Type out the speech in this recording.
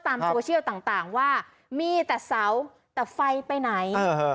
ตามโซเชียลต่างว่ามีแต่เสาแต่ไฟไปไหน